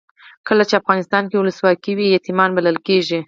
کله چې افغانستان کې ولسواکي وي یتیمان پالل کیږي.